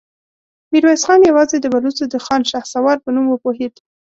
ميرويس خان يواځې د بلوڅو د خان شهسوار په نوم وپوهېد.